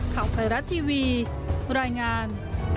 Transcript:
ข้าวเวลาทีวีบรรยายงาน